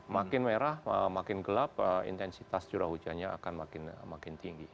makin merah makin gelap intensitas curah hujannya akan makin tinggi